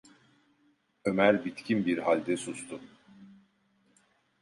Ömer bitkin bir halde sustu.